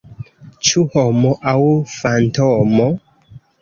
Ĉu homo aŭ fantomo?